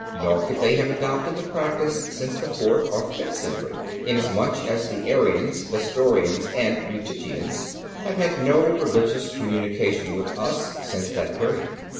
Nor could they have adopted the practice since the fourth or fifth century, inasmuch as the Arians, Nestorians and Eutychians have had no religious communication with us since that period.